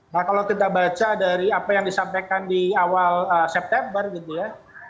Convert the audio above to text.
nah kalau kita baca dari apa yang disampaikan di awal september gitu ya